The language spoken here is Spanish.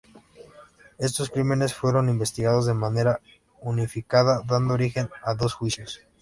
Estos crímenes fueron investigados de manera unificada, dando origen a dos juicios.